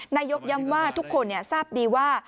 นายกย้ำว่าทุกคนทราบดีว่า